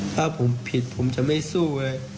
ถ้าผมผิดผมจะไม่สู้เลย